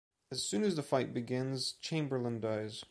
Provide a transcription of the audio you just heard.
As soon as the fight begins, Chamberlain dies.